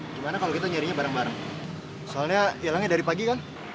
gimana kalau kita nyarinya bareng bareng soalnya hilangnya dari pagi kan